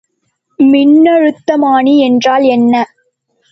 மின்னழுத்தமானி என்றால் என்ன?